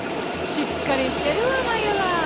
しっかりしてるわ麻友は！